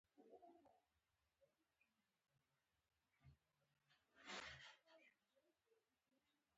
ویلیام گولډمېن وایي پخوا تلویزیون د کتاب په څېر و.